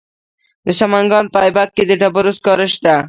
د سمنګان په ایبک کې د ډبرو سکاره شته.